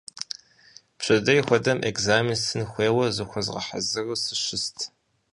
Пщэдей хуэдэм экзамен стын хуейуэ, зыхуэзгъэхьэзыру сыщыст.